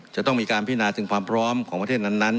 จะต้องมีการพินาถึงความพร้อมของประเทศนั้น